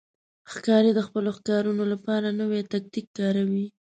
ښکاري د خپلو ښکارونو لپاره نوی تاکتیک کاروي.